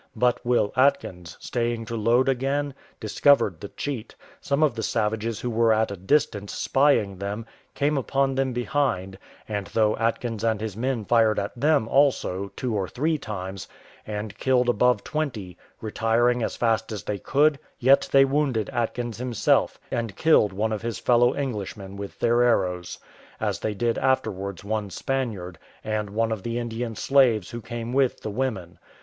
But Will Atkins, staying to load again, discovered the cheat: some of the savages who were at a distance spying them, came upon them behind; and though Atkins and his men fired at them also, two or three times, and killed above twenty, retiring as fast as they could, yet they wounded Atkins himself, and killed one of his fellow Englishmen with their arrows, as they did afterwards one Spaniard, and one of the Indian slaves who came with the women.